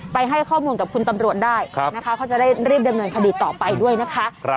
ให้ข้อมูลกับคุณตำรวจได้นะคะเขาจะได้รีบดำเนินคดีต่อไปด้วยนะคะ